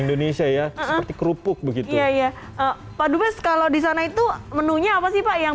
indonesia ya kerupuk begitu ya pak dubez kalau disana itu menunya apa sih pak yang